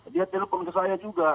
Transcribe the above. dia telepon ke saya juga